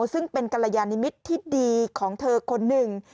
ซึ่งเป็นกรยานิมิตรที่ดีของเธอคนหนึ่ง